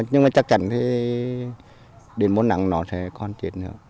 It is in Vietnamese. nhưng mà chắc chắn thì đến mỗi nặng nó sẽ còn chết nữa